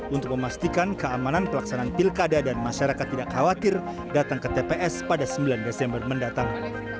untuk memastikan keamanan pelaksanaan pilkada dan masyarakat tidak khawatir datang ke tps pada sembilan desember mendatang